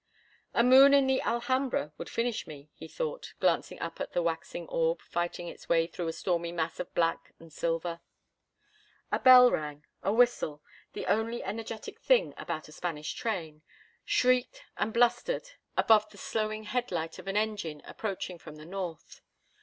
"A moon in the Alhambra would finish me," he thought, glancing up at the waxing orb fighting its way through a stormy mass of black and silver. A bell rang, a whistle—the only energetic thing about a Spanish train—shrieked and blustered above the slowing headlight of an engine approaching from the north.